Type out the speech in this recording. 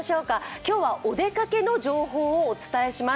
今日はお出かけの情報をお伝えします。